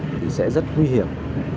thì sẽ rất nguy hiểm